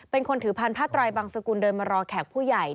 เป็นคนถือพันผ้าไตรบังสกุลเดินมารอแขกผู้ใหญ่